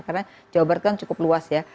karena jawa barat kan cukup luas ya